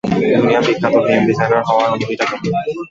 দুনিয়া বিখ্যাত game designer হওয়ার অনুভূতিটা কেমন?